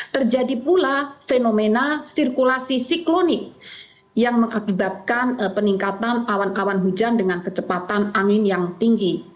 terjadi pula fenomena sirkulasi siklonik yang mengakibatkan peningkatan awan awan hujan dengan kecepatan angin yang tinggi